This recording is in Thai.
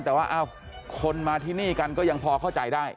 แต่ว่าคนมาที่นี่กันก็ยังพอเข้าใจได้